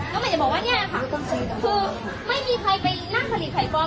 น้องใหม่จะบอกว่าเนี้ยนะคะคือไม่มีใครไปนั่งผลิตไข่ปลอม